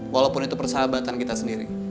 walaupun itu persahabatan kita sendiri